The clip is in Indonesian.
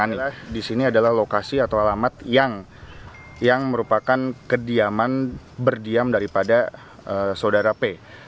ada lokasi atau alamat yang merupakan kediaman berdiam daripada saudara p